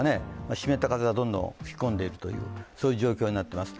湿った風がどんどん吹き込んでいるという状況になっています。